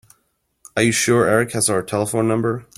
Are you sure Erik has our telephone number?